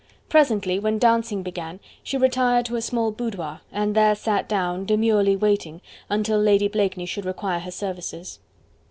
Presently, when dancing began, she retired to a small boudoir, and there sat down, demurely waiting, until Lady Blakeney should require her services.